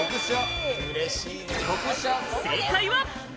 正解は。